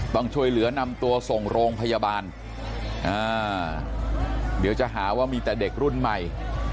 ต้องช่วยเหลือนำตัวส่งโรงพยาบาลอ่าเดี๋ยวจะหาว่ามีแต่เด็กรุ่นใหม่